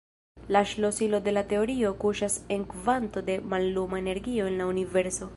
La ŝlosilo de la teorio kuŝas en kvanto da malluma energio en la Universo.